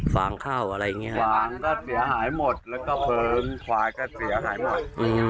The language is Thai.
ฟังเข้าอะไรอย่างนี้ฟางก็เสียหายหมดแล้วก็เพลิงขวายก็เสียหายหมด